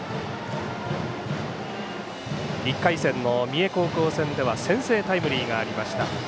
１回戦の三重高校戦では先制タイムリーがありました。